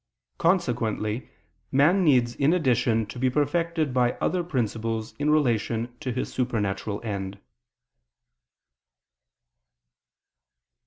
Consequently man needs in addition to be perfected by other principles in relation to his supernatural end.